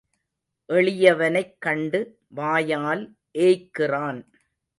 எளியவனைக் கண்டு வாயால் ஏய்க்கிறான்.